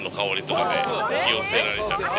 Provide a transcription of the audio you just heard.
引き寄せられちゃって。